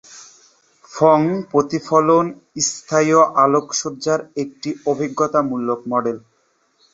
ফং প্রতিফলন স্থানীয় আলোকসজ্জার একটি অভিজ্ঞতামূলক মডেল।